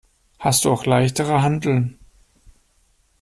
Hast du auch leichtere Hanteln?